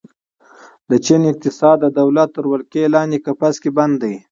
د چین اقتصاد د دولت تر ولکې لاندې قفس کې بندي ده.